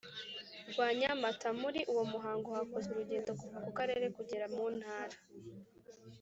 Rwa nyamata muri uwo muhango hakozwe urugendo kuva ku karere kugera mu ntara